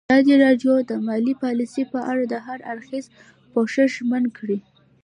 ازادي راډیو د مالي پالیسي په اړه د هر اړخیز پوښښ ژمنه کړې.